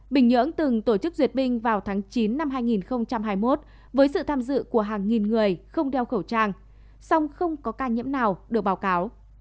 bình nhưỡng từng tổ chức duyệt binh vào tháng chín năm hai nghìn hai mươi một với sự tham dự của hàng nghìn người không đeo khẩu trang song không có ca nhiễm nào được báo cáo